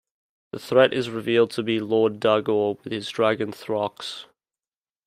The threat is revealed to be Lord Daggor, with his dragon Thraxx.